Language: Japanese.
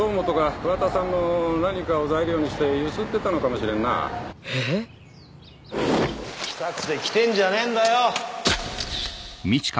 桑田さんの何かを材料にしてゆすってたのかもしれんなええっ⁉来たくて来てんじゃねぇんだよ！